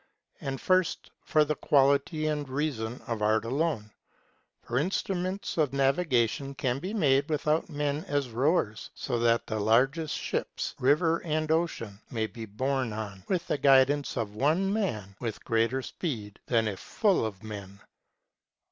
And first for the quality and reason of art alone. For instruments of navigation can be made without men as rowers, so that the largest ships, river and ocean, may be borne on, with the guid ance of one man, with greater speed than if full of men.